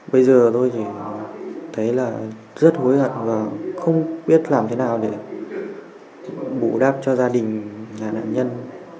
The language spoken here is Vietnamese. bây giờ tôi thì thấy là rất hối hận và không biết làm thế nào để bù đáp cho gia đình nhà nạn nhân